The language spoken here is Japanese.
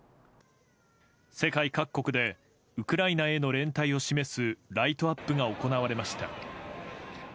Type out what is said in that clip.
世界各国でウクライナへの連帯を示すライトアップが行われました。